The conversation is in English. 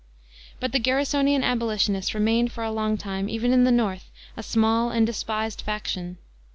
But the Garrisonian abolitionists remained for a long time, even in the North, a small and despised faction.